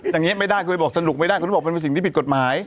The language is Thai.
อย่างนี้ไม่ได้คุณไปบอกสนุกไม่ได้คุณบอกมันเป็นสิ่งที่ผิดกฎหมาย